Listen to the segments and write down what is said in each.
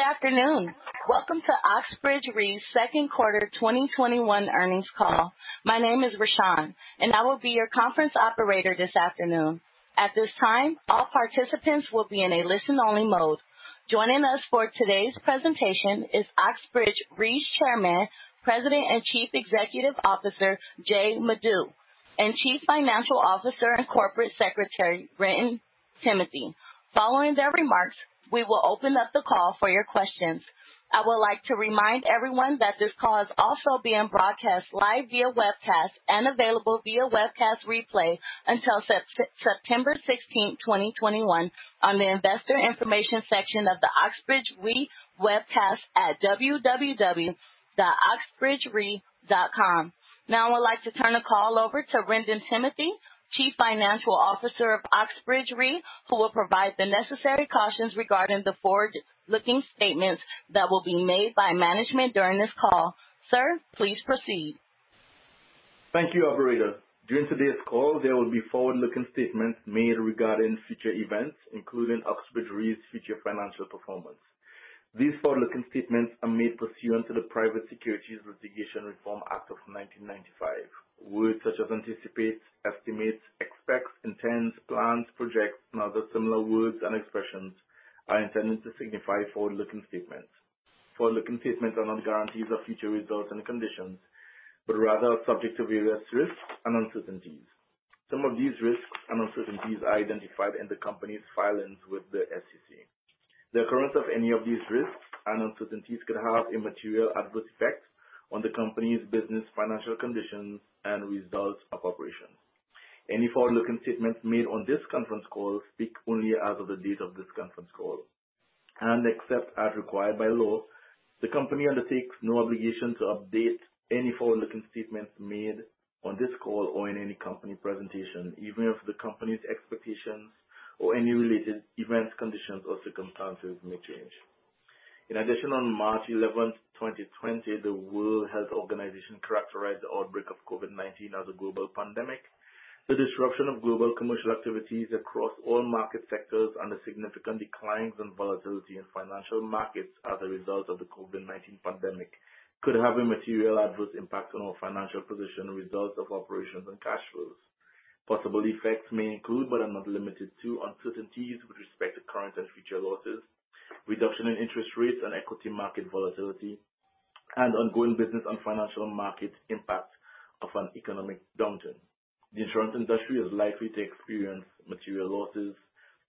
Good afternoon. Welcome to Oxbridge Re's second quarter 2021 earnings call. My name is Rashaan, and I will be your conference operator this afternoon. At this time, all participants will be in a listen-only mode. Joining us for today's presentation is Oxbridge Re's Chairman, President, and Chief Executive Officer, Jay Madhu, and Chief Financial Officer and Corporate Secretary, Wrendon Timothy. Following their remarks, we will open up the call for your questions. I would like to remind everyone that this call is also being broadcast live via webcast and available via webcast replay until September 16th, 2021, on the investor information section of the Oxbridge Re webcast at www.oxbridgere.com. Now I would like to turn the call over to Wrendon Timothy, Chief Financial Officer of Oxbridge Re, who will provide the necessary cautions regarding the forward-looking statements that will be made by management during this call. Sir, please proceed. Thank you, operator. During today's call, there will be forward-looking statements made regarding future events, including Oxbridge Re's future financial performance. These forward-looking statements are made pursuant to the Private Securities Litigation Reform Act of 1995. Words such as anticipate, estimate, expect, intend, plan, project, and other similar words and expressions are intended to signify forward-looking statements. Forward-looking statements are not guarantees of future results and conditions, but rather are subject to various risks and uncertainties. Some of these risks and uncertainties are identified in the company's filings with the SEC. The occurrence of any of these risks and uncertainties could have a material adverse effect on the company's business financial conditions and results of operations. Any forward-looking statements made on this conference call speak only as of the date of this conference call. Except as required by law, the company undertakes no obligation to update any forward-looking statements made on this call or in any company presentation, even if the company's expectations or any related events, conditions, or circumstances may change. In addition, on March 11th, 2020, the World Health Organization characterized the outbreak of COVID-19 as a global pandemic. The disruption of global commercial activities across all market sectors and the significant declines and volatility in financial markets as a result of the COVID-19 pandemic could have a material adverse impact on our financial position, results of operations, and cash flows. Possible effects may include, but are not limited to, uncertainties with respect to current and future losses, reduction in interest rates and equity market volatility, and ongoing business and financial market impact of an economic downturn. The insurance industry is likely to experience material losses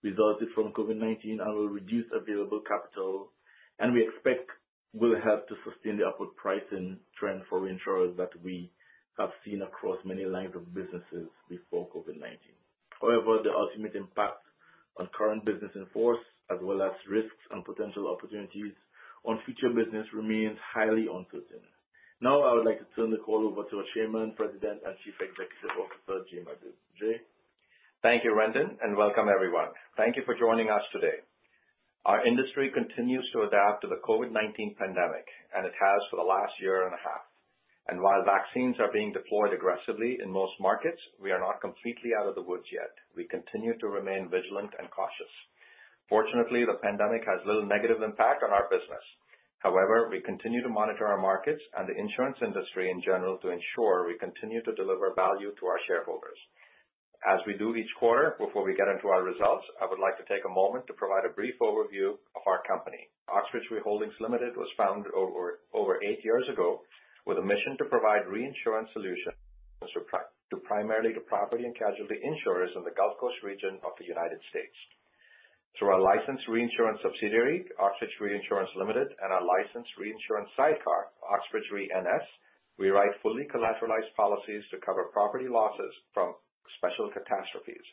resulting from COVID-19 and will reduce available capital, and we expect will help to sustain the upward pricing trend for insurers that we have seen across many lines of businesses before COVID-19. However, the ultimate impact on current business in force, as well as risks and potential opportunities on future business remains highly uncertain. Now, I would like to turn the call over to our Chairman, President, and Chief Executive Officer, Jay Madhu. Jay? Thank you, Wrendon. Welcome everyone. Thank you for joining us today. Our industry continues to adapt to the COVID-19 pandemic, and it has for the last year and a half. While vaccines are being deployed aggressively in most markets, we are not completely out of the woods yet. We continue to remain vigilant and cautious. Fortunately, the pandemic has little negative impact on our business. However, we continue to monitor our markets and the insurance industry in general to ensure we continue to deliver value to our shareholders. As we do each quarter before we get into our results, I would like to take a moment to provide a brief overview of our company. Oxbridge Re Holdings Limited was founded over eight years ago with a mission to provide reinsurance solutions primarily to property and casualty insurers in the Gulf Coast region of the United States. Through our licensed reinsurance subsidiary, Oxbridge Reinsurance Limited, and our licensed reinsurance sidecar, Oxbridge Re NS, we write fully collateralized policies to cover property losses from special catastrophes.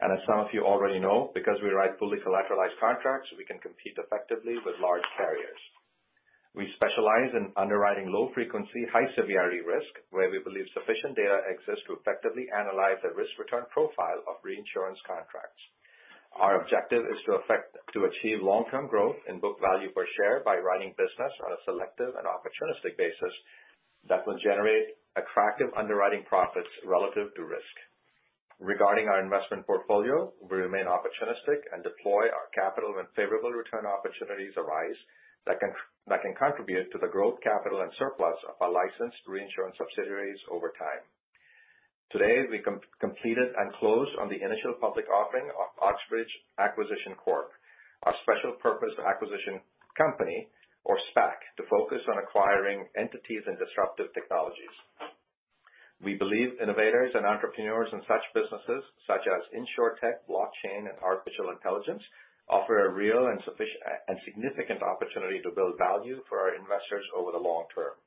As some of you already know, because we write fully collateralized contracts, we can compete effectively with large carriers. We specialize in underwriting low frequency, high severity risk, where we believe sufficient data exists to effectively analyze the risk-return profile of reinsurance contracts. Our objective is to achieve long-term growth in book value per share by writing business on a selective and opportunistic basis that will generate attractive underwriting profits relative to risk. Regarding our investment portfolio, we remain opportunistic and deploy our capital when favorable return opportunities arise that can contribute to the growth capital and surplus of our licensed reinsurance subsidiaries over time. Today, we completed and closed on the initial public offering of Oxbridge Acquisition Corp, a special purpose acquisition company or SPAC, to focus on acquiring entities and disruptive technologies. We believe innovators and entrepreneurs in such businesses such as insurtech, blockchain, and artificial intelligence offer a real and significant opportunity to build value for our investors over the long term.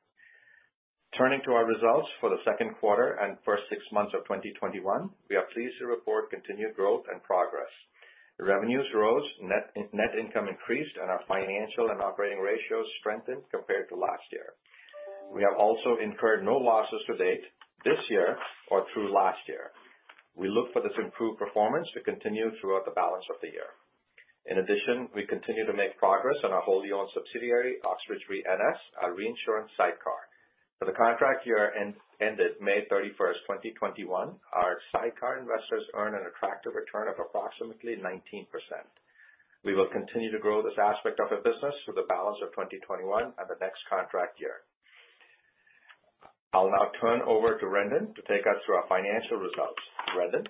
Turning to our results for the second quarter and first six months of 2021, we are pleased to report continued growth and progress. Revenues rose, net income increased, and our financial and operating ratios strengthened compared to last year. We have also incurred no losses to date this year or through last year. We look for this improved performance to continue throughout the balance of the year. In addition, we continue to make progress on our wholly owned subsidiary, Oxbridge Re NS, our reinsurance sidecar. For the contract year ended May 31st, 2021, our sidecar investors earn an attractive return of approximately 19%. We will continue to grow this aspect of the business for the balance of 2021 and the next contract year. I'll now turn over to Wrendon to take us through our financial results. Wrendon?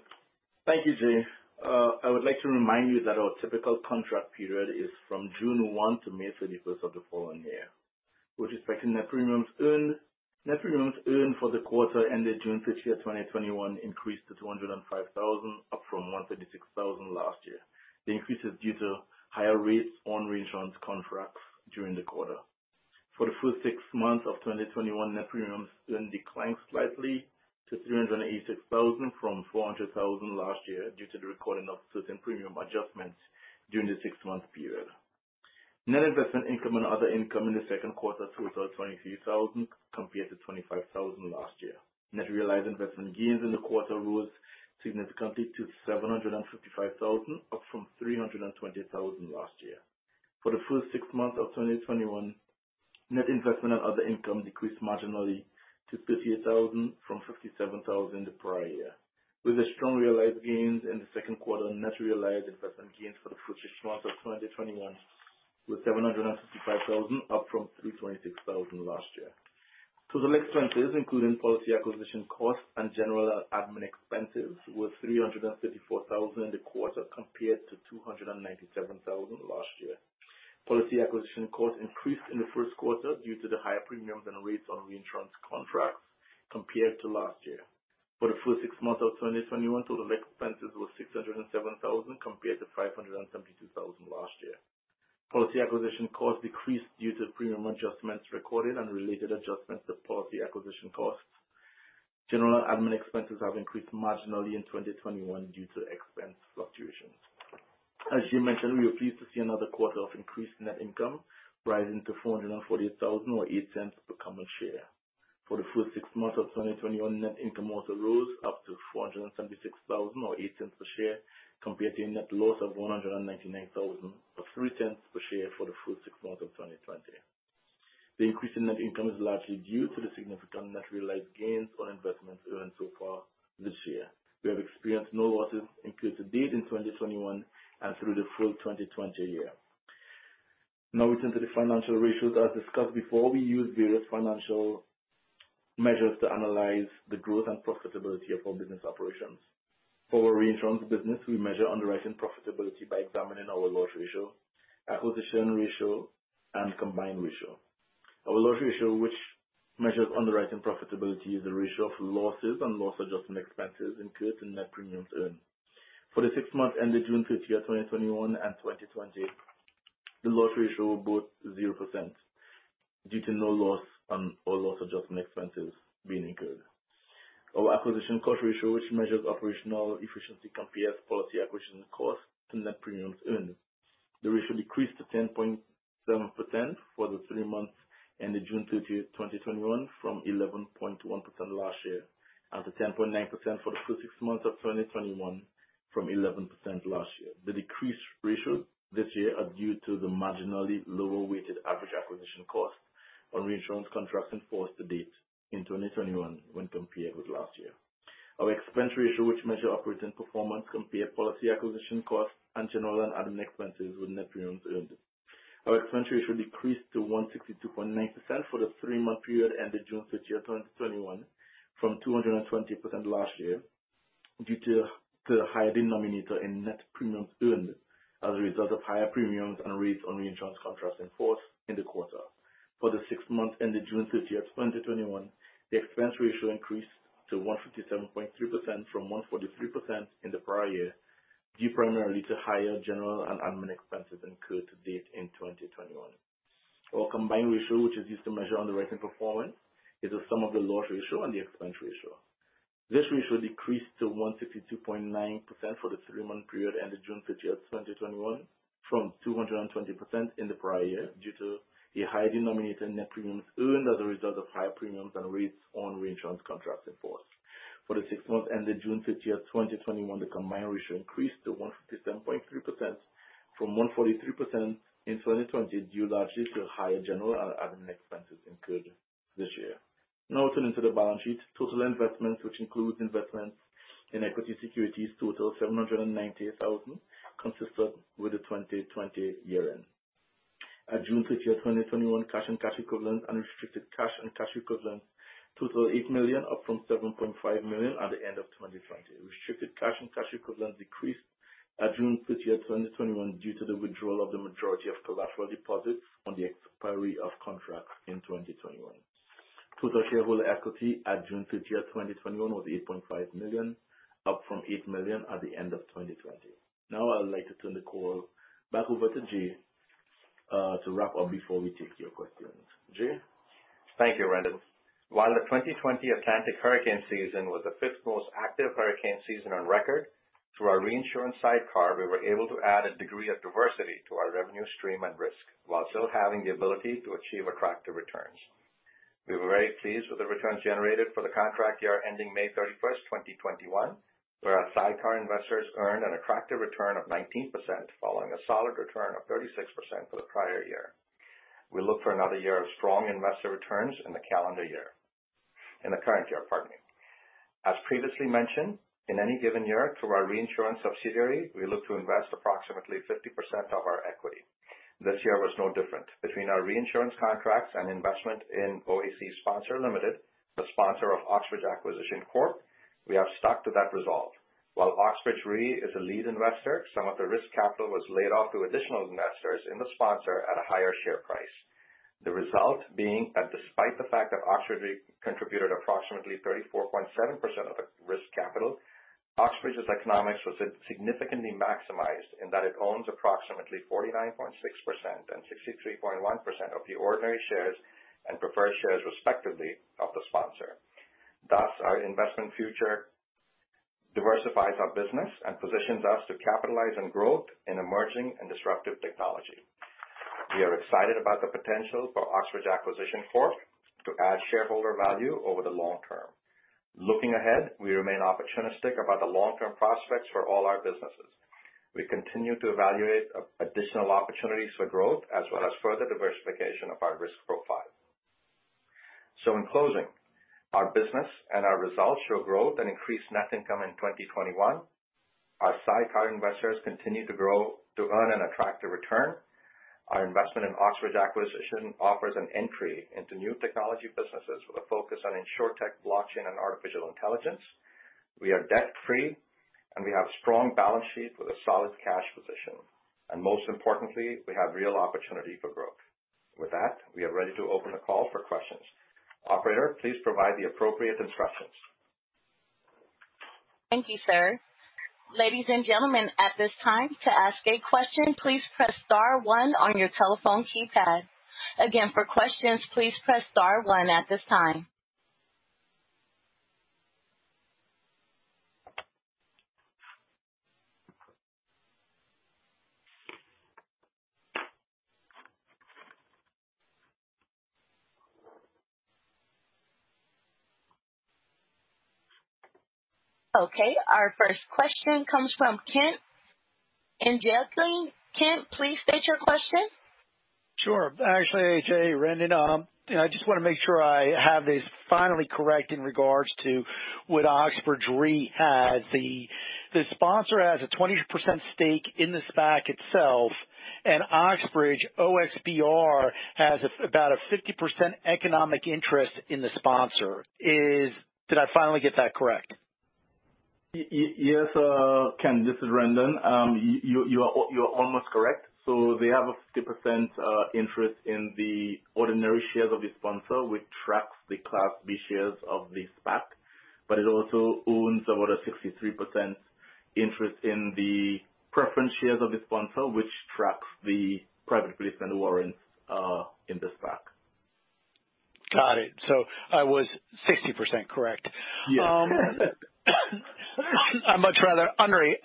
Thank you, Jay. I would like to remind you that our typical contract period is from June 1 to May 31st of the following year. With respect to net premiums earned, net premiums earned for the quarter ended June 30th, 2021, increased to $205,000, up from $136,000 last year. The increase is due to higher rates on reinsurance contracts during the quarter. For the full six months of 2021, net premiums then declined slightly to $386,000 from $400,000 last year, due to the recording of certain premium adjustments during the six-month period. Net investment income and other income in the second quarter totaled $23,000 compared to $25,000 last year. Net realized investment gains in the quarter rose significantly to $755,000, up from $320,000 last year. For the full six months of 2021, net investment and other income decreased marginally to $38,000 from $57,000 the prior year. With the strong realized gains in the second quarter, net realized investment gains for the full six months of 2021 were $755,000, up from $326,000 last year. Total expenses, including policy acquisition costs and general admin expenses, were $334,000 in the quarter, compared to $297,000 last year. Policy acquisition costs increased in the first quarter due to the higher premiums and rates on reinsurance contracts compared to last year. For the full six months of 2021, total expenses were $607,000 compared to $572,000 last year. Policy acquisition costs decreased due to premium adjustments recorded and related adjustments to policy acquisition costs. General admin expenses have increased marginally in 2021 due to expense fluctuations. As you mentioned, we are pleased to see another quarter of increased net income rising to $448,000, or $0.08 per common share. For the full six months of 2021, net income also rose up to $476,000 or $0.08 per share, compared to a net loss of $199,000 or $0.03 per share for the full six months of 2020. The increase in net income is largely due to the significant net realized gains on investments earned so far this year. We have experienced no losses incurred to date in 2021 and through the full 2020 year. We turn to the financial ratios. As discussed before, we use various financial measures to analyze the growth and profitability of our business operations. For our reinsurance business, we measure underwriting profitability by examining our loss ratio, acquisition ratio, and combined ratio. Our loss ratio, which measures underwriting profitability, is the ratio of losses and loss adjustment expenses incurred in net premiums earned. For the six months ended June 30th, 2021 and 2020, the loss ratio was 0% due to no loss and all loss adjustment expenses being incurred. Our acquisition cost ratio, which measures operational efficiency compared to policy acquisition costs and net premiums earned, the ratio decreased to 10.7% for the three months ended June 30th, 2021 from 11.1% last year, and to 10.9% for the full six months of 2021 from 11% last year. The decreased ratios this year are due to the marginally lower weighted average acquisition cost on reinsurance contracts in force to date in 2021 when compared with last year. Our expense ratio, which measures operating performance compared policy acquisition costs and general and admin expenses with net premiums earned. Our expense ratio decreased to 162.9% for the three-month period ended June 30th, 2021 from 220% last year due to the higher denominator in net premiums earned as a result of higher premiums and rates on reinsurance contracts in force in the quarter. For the six months ended June 30th, 2021, the expense ratio increased to 157.3% from 143% in the prior year, due primarily to higher general and admin expenses incurred to date in 2021. Our combined ratio, which is used to measure underwriting performance, is the sum of the loss ratio and the expense ratio. This ratio decreased to 162.9% for the three-month period ended June 30th, 2021 from 220% in the prior year due to the higher denominator net premiums earned as a result of higher premiums and rates on reinsurance contracts in force. For the six months ended June 30th, 2021, the combined ratio increased to 157.3% from 143% in 2020, due largely to higher general and admin expenses incurred this year. Turning to the balance sheet. Total investments, which includes investments in equity securities, total $790,000, consistent with the 2020 year-end. At June 30th, 2021, cash and cash equivalents, unrestricted cash and cash equivalents total $8 million, up from $7.5 million at the end of 2020. Restricted cash and cash equivalents decreased at June 30th, 2021, due to the withdrawal of the majority of collateral deposits on the expiry of contracts in 2021. Total shareholder equity at June 30th, 2021, was $8.5 million, up from $8 million at the end of 2020. I would like to turn the call back over to Jay to wrap up before we take your questions. Jay? Thank you, Wrendon. While the 2020 Atlantic hurricane season was the fifth most active hurricane season on record, through our reinsurance sidecar, we were able to add a degree of diversity to our revenue stream and risk while still having the ability to achieve attractive returns. We were very pleased with the returns generated for the contract year ending May 31st, 2021, where our sidecar investors earned an attractive return of 19%, following a solid return of 36% for the prior year. We look for another year of strong investor returns in the calendar year. In the current year, pardon me. As previously mentioned, in any given year through our reinsurance subsidiary, we look to invest approximately 50% of our equity. This year was no different. Between our reinsurance contracts and investment in OAC Sponsor Ltd., the sponsor of Oxbridge Acquisition Corp, we have stuck to that resolve. While Oxbridge Re is a lead investor, some of the risk capital was laid off to additional investors in the sponsor at a higher share price. The result being that despite the fact that Oxbridge contributed approximately 34.7% of the risk capital, Oxbridge's economics was significantly maximized in that it owns approximately 49.6% and 63.1% of the ordinary shares and preferred shares, respectively, of the sponsor. Thus, our investment future diversifies our business and positions us to capitalize on growth in emerging and disruptive technology. We are excited about the potential for Oxbridge Acquisition Corp to add shareholder value over the long term. Looking ahead, we remain opportunistic about the long-term prospects for all our businesses. We continue to evaluate additional opportunities for growth as well as further diversification of our risk profile. In closing, our business and our results show growth and increased net income in 2021. Our sidecar investors continue to earn an attractive return. Our investment in Oxbridge Acquisition offers an entry into new technology businesses with a focus on insurtech, blockchain, and artificial intelligence. We are debt-free, and we have a strong balance sheet with a solid cash position. Most importantly, we have real opportunity for growth. With that, we are ready to open the call for questions. Operator, please provide the appropriate instructions. Thank you, sir. Ladies and gentlemen, at this time, to ask a question, please press star one on your telephone keypad. Again, for questions, please press star one at this time. Okay, our first question comes from Kent in Jesslyn. Kent, please state your question. Sure. Actually, Jay, Wrendon, I just want to make sure I have this finally correct in regards to what Oxbridge Re has. The sponsor has a 20% stake in the SPAC itself, and Oxbridge, OXBR, has about a 50% economic interest in the sponsor. Did I finally get that correct? Yes, Kent, this is Wrendon. You are almost correct. They have a 50% interest in the ordinary shares of the sponsor, which tracks the Class B shares of the SPAC, but it also owns about a 63% interest in the preference shares of the sponsor, which tracks the private placement warrants in the SPAC. Got it. I was 60% correct. Yes. I much rather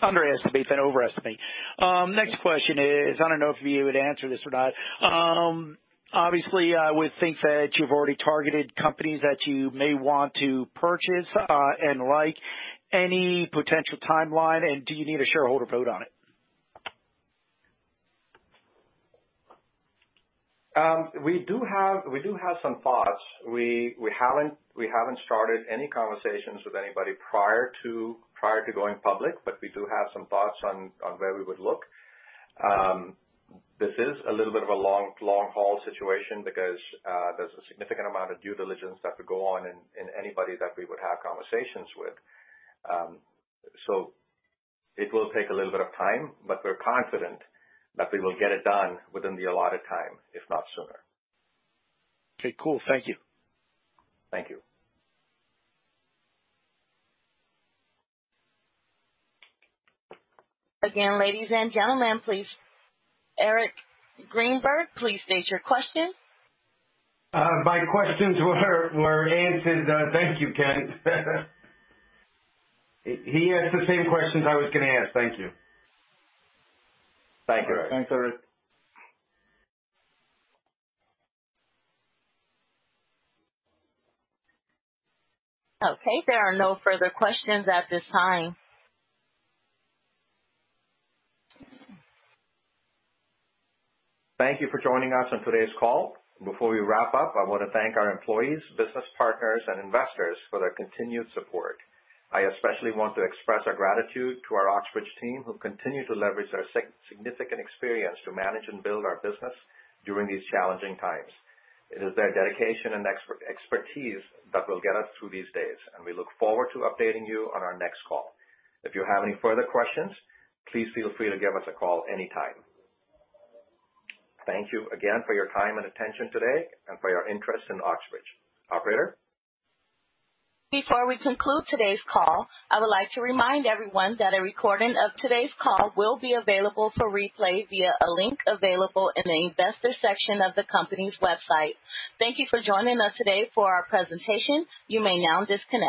underestimate than overestimate. Next question is, I don't know if you would answer this or not. Obviously, I would think that you've already targeted companies that you may want to purchase and like. Any potential timeline? Do you need a shareholder vote on it? We do have some thoughts. We haven't started any conversations with anybody prior to going public, but we do have some thoughts on where we would look. This is a little bit of a long-haul situation because there's a significant amount of due diligence that would go on in anybody that we would have conversations with. It will take a little bit of time, but we're confident that we will get it done within the allotted time, if not sooner. Okay, cool. Thank you. Thank you. Again, ladies and gentlemen, Eric Greenberg, please state your question. My questions were answered. Thank you, Kent. He asked the same questions I was going to ask. Thank you. Thanks, Eric. Thanks, Eric. Okay, there are no further questions at this time. Thank you for joining us on today's call. Before we wrap up, I want to thank our employees, business partners, and investors for their continued support. I especially want to express our gratitude to our Oxbridge team, who continue to leverage their significant experience to manage and build our business during these challenging times. It is their dedication and expertise that will get us through these days, and we look forward to updating you on our next call. If you have any further questions, please feel free to give us a call anytime. Thank you again for your time and attention today and for your interest in Oxbridge. Operator? Before we conclude today's call, I would like to remind everyone that a recording of today's call will be available for replay via a link available in the investor section of the company's website. Thank you for joining us today for our presentation. You may now disconnect.